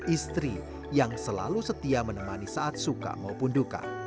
istri yang selalu setia menemani saat suka maupun duka